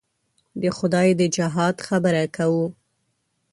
د خدای د جهاد خبره کوو.